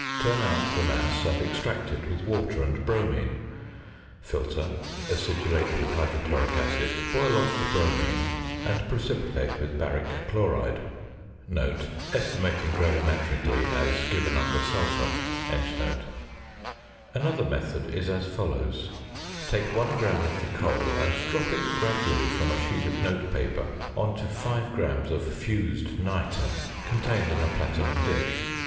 Turn out the mass and extract it with water and bromine, filter, acidulate with hydrochloric acid, boil off the bromine, and precipitate with baric chloride (estimating gravimetrically as given under Sulphur). Another method is as follows: Take 1 gram of the coal and drop it gradually from a sheet of note paper on to 5 grams of fused nitre contained in a platinum dish.